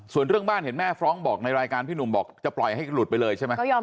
ส่วนเรื่องบ้านเห็นแม่ฟรองก์บอกในรายการพี่หนุ่มบอกจะปล่อยให้หลุดไปเลยใช่ไหม